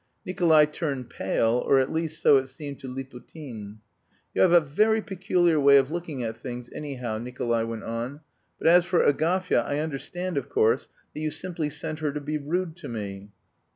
Nikolay turned pale or, at least, so it seemed to Liputin. "You have a very peculiar way of looking at things, anyhow," Nikolay went on, "but as for Agafya, I understand, of course, that you simply sent her to be rude to me."